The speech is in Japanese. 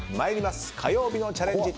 火曜日のチャレンジ